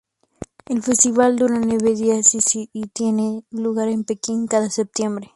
El festival dura nueve días, y tiene lugar en Pekín cada septiembre.